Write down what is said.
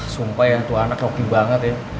sumpah ya tuhan roki banget ya